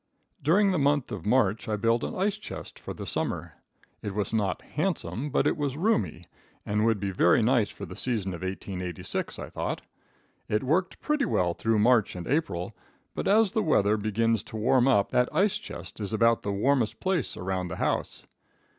During the month of March I built an ice chest for this summer. It was not handsome, but it was roomy, and would be very nice for the season of 1886, I thought. It worked pretty well through March and April, but as the weather begins to warm up that ice chest is about the warmest place around the house.